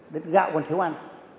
đến gạo còn thiếu ăn